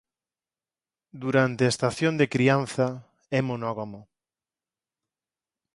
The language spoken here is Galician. Durante a estación de crianza é monógamo.